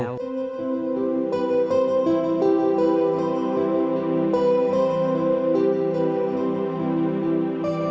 โปรดติดตามตอนต่อไป